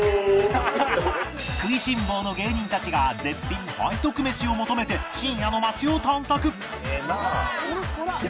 食いしん坊の芸人たちが絶品背徳メシを求めて深夜の街を探索